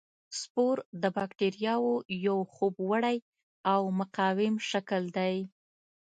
سپور د باکتریاوو یو خوب وړی او مقاوم شکل دی.